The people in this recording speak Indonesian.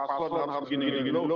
paslon hal begini gini